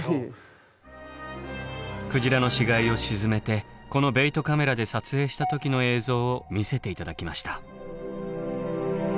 鯨の死骸を沈めてこのベイトカメラで撮影した時の映像を見せて頂きました。